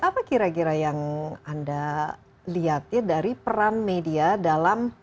apa kira kira yang anda lihat ya dari peran media dalam